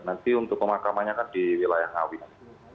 nanti untuk pemakamannya kan di wilayah ngawi